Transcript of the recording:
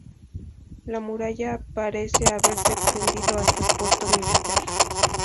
La muralla parece haberse extendido hasta el puerto militar.